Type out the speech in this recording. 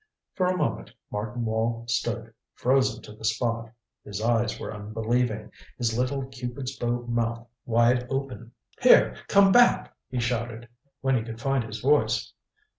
For a moment Martin Wall stood, frozen to the spot. His eyes were unbelieving; his little Cupid's bow mouth was wide open. "Here come back " he shouted, when he could find his voice.